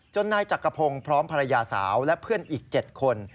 นายจักรพงศ์พร้อมภรรยาสาวและเพื่อนอีก๗คน